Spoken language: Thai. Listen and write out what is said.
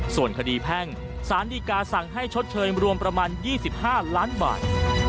ส่วนคดีแพ่งสารดีกาสั่งให้ชดเชยรวมประมาณ๒๕ล้านบาท